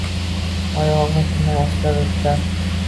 Oyog‘imga tinmay osilar o‘tlar